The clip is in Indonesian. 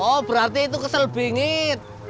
oh berarti itu kesel dingin